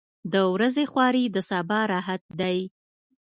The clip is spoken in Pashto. • د ورځې خواري د سبا راحت دی.